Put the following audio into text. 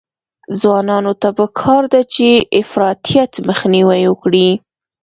ځوانانو ته پکار ده چې، افراطیت مخنیوی وکړي.